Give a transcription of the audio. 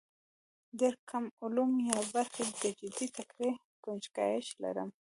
ډېر کم علوم یا برخې د جدي ټکر ګنجایش لري.